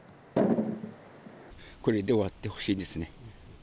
これで終わってほしいですね。